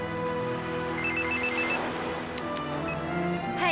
はい。